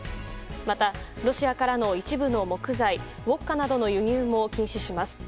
またロシアからの一部の木材ウォッカなどの輸入も禁止します。